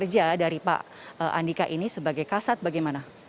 saya lihat kinerja dari pak andika ini sebagai kasat bagaimana